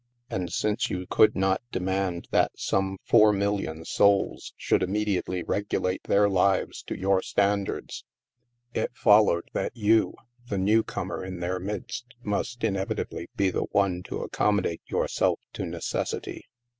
And since you could not demand that some four THE MAELSTROM 217 million souls should immediately regulate their lives to your standards, it followed that you, the new comer in their midst, must inevitably be the one to accommodate yourself to necessity.